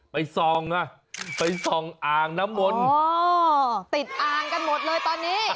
ไปซองอ่างน้ำมนต์ติดอ่างกันหมดเลยตอนนี้